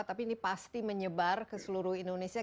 tapi ini pasti menyebar ke seluruh indonesia